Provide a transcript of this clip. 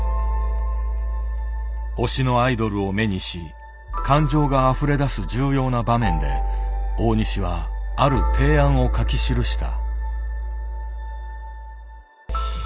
推しのアイドルを目にし感情があふれだす重要な場面で大西はある提案を書き記した。